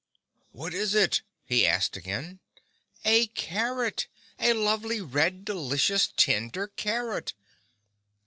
"What is it?" he asked again. "A carrot! A lovely, red, delightful, tender carrot!"